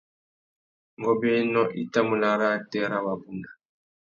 Ngôbēnô i tà mú nà arrātê râ wabunda .